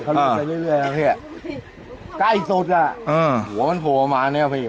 เขาเล่นไปเรื่อยเรื่อยนะพี่ใกล้สุดอ่ะเออหัวมันโผล่มาเนี้ยพี่